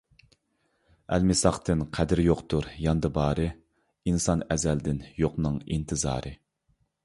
ئەلمىساقتىن قەدرى يوقتۇر ياندا بارى، ئىنسان ئەزەلدىن يوقنىڭ ئىنتىزارى.